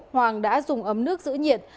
hoàng đã dùng ấm nước giữ nhiệt